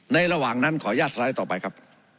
ในระหว่างนั้นขอย่าสละยังต่อไปครับ